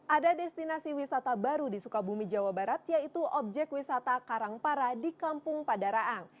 ada destinasi wisata baru di sukabumi jawa barat yaitu objek wisata karangpara di kampung padaraang